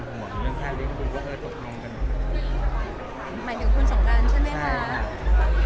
หมายถึงคุณสงกัยใช่ไหมคะ